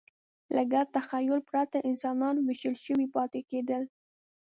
له ګډ تخیل پرته انسانان وېشل شوي پاتې کېدل.